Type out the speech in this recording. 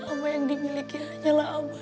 abah yang dimiliki hanyalah abah